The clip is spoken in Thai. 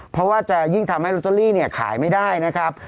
เพราะว่าจะยิ่งทำให้ลอตเตอรี่เนี่ยขายไม่ได้นะครับ